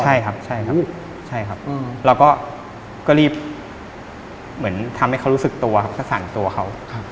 ใช่ครับแล้วก็รีบเหมือนทำให้เขารู้สึกตัวสั่นตัวเขา